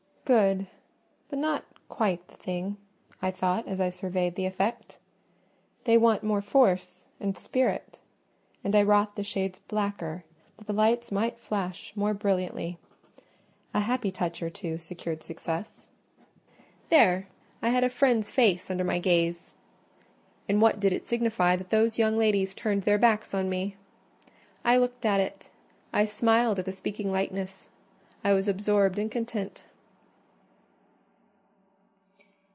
"Good! but not quite the thing," I thought, as I surveyed the effect: "they want more force and spirit;" and I wrought the shades blacker, that the lights might flash more brilliantly—a happy touch or two secured success. There, I had a friend's face under my gaze; and what did it signify that those young ladies turned their backs on me? I looked at it; I smiled at the speaking likeness: I was absorbed and content.